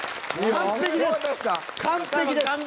完璧です。